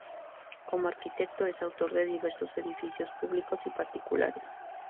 Como arquitecto es autor de diversos edificios públicos y particulares.